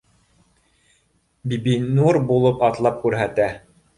Бибинур булып атлап күрһәтә